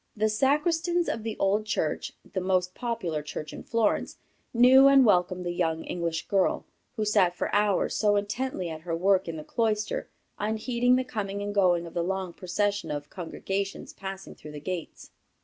The sacristans of the old church the most popular church in Florence knew and welcomed the young English girl, who sat for hours so intently at her work in the cloister, unheeding the coming and going of the long procession of congregations passing through the gates.